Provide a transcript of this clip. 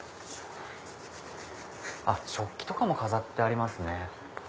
食器とかも飾ってありますね。